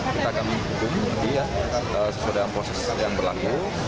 kita akan menghubungi sesuai dalam proses yang berlaku